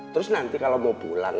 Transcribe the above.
terus nanti kalau mau pulang